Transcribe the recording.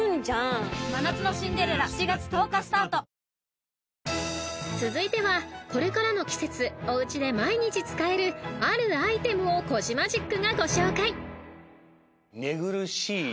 わかるぞ［続いてはこれからの季節おうちで毎日使えるあるアイテムをコジマジックがご紹介］